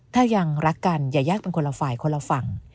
ถ้ายังรักกันอย่าแยกเป็นคนละฝ่ายคนละฝั่ง